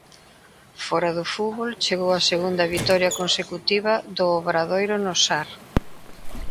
Fóra do fútbol, chegou a segunda vitoria consecutiva do Obradoiro no Sar.